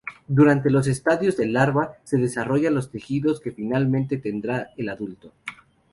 Durante los estadios de larva se desarrollan los tejidos que finalmente tendrá el adulto.